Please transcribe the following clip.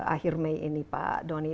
akhir mei ini pak doni